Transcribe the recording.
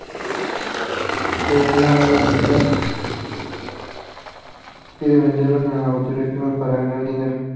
Pero una mala amistad quiere venderlos a un laboratorio químico para ganar dinero.